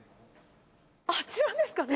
あちらですかね。